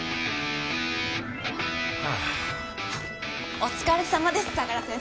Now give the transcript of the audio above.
お疲れさまです相良先生。